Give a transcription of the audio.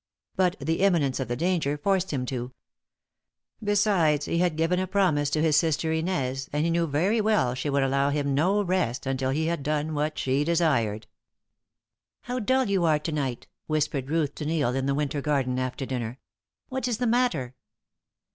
But the imminence of the danger forced him on. Besides, he had given a promise to his sister Inez, and he knew very well she would allow him no rest until he had done what she desired. "How dull you are to night," whispered Ruth to Neil in the winter garden after dinner. "What is the matter?"